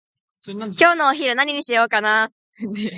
今日のお昼何にしようかなー？